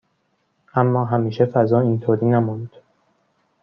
اما همیشه فضا اینطوری نموند.